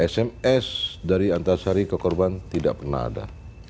sms dari antarsari kekorban tidak pernah ada